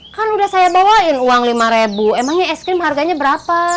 kan udah saya bawain uang lima ribu emangnya es krim harganya berapa